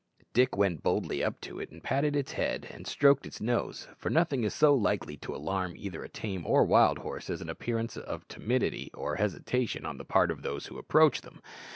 Dick went boldly up to it, and patted its head and stroked its nose, for nothing is so likely to alarm either a tame or a wild horse as any appearance of timidity or hesitation on the part of those who approach them.